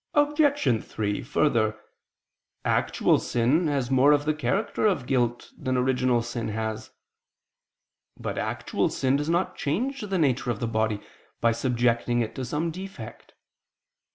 Obj. 3: Further, actual sin has more of the character of guilt than original sin has. But actual sin does not change the nature of the body by subjecting it to some defect.